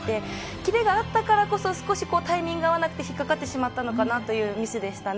キレがあったからこそ少しタイミングが合わなくて引っ掛かってしまったのかなというミスでしたね。